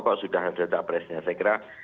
kok sudah ada capresnya saya kira